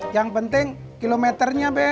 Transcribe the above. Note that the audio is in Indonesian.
yang penting kilometernya be